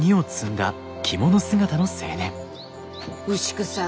牛久さん